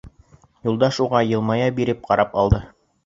Юлдаш уға йылмая биреп ҡарап алды.